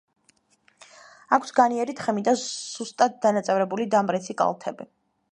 აქვს განიერი თხემი და სუსტად დანაწევრებული დამრეცი კალთები.